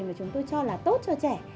mà chúng tôi cho là tốt cho trẻ